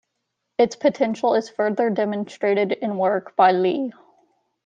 Its potential is further demonstrated in work by Lee.